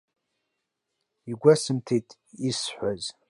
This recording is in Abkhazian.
Игәасымҭеит изҳәаз.